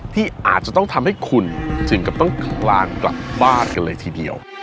ที่อาจจะต้องทำให้คุณถึงกับต้องคลานกลับบ้านกันเลยทีเดียว